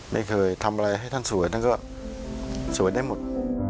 ไม่เคยทำอะไรให้ท่านสวยท่านก็สวยได้หมด